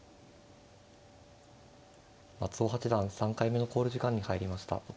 松尾八段３回目の考慮時間に入りました。